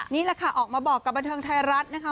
นี่แหละค่ะออกมาบอกกับบันเทิงไทยรัฐนะคะ